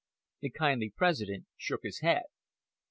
The kindly President shook his head.